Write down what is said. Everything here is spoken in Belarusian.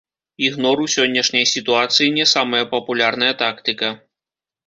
Ігнор у сённяшняй сітуацыі не самая папулярная тактыка.